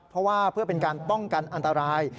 เพราะว่าเพื่อเป็นการป้องกันอันตราย